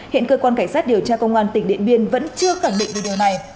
hiện cơ quan cảnh sát điều tra công an tỉnh điện biên vẫn chưa khẳng định về điều này